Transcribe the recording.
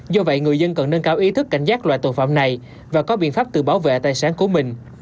do vậy người dân cần nâng cao ý thức cảnh giác loại tội phạm này và có biện pháp tự bảo vệ tài sản của mình